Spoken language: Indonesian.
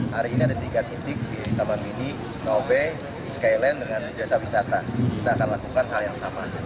hari ini ada tiga titik di taman mini snow bay skyland dengan jasa wisata kita akan lakukan hal yang sama